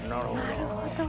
なるほど！